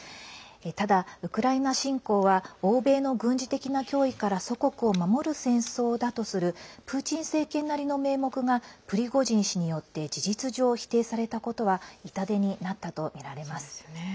ただ、ウクライナ侵攻は欧米の軍事的な脅威から祖国を守る戦争だとするプーチン政権なりの名目がプリゴジン氏によって事実上、否定されたことは痛手になったとみられます。